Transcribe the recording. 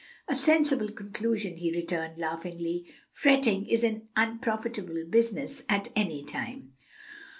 "A sensible conclusion," he returned laughingly. "Fretting is an unprofitable business at any time."